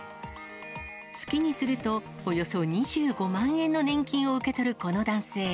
月にするとおよそ２５万円の年金を受け取るこの男性。